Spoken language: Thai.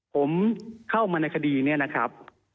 ผมเข้ามาในคดีนี้นะครับ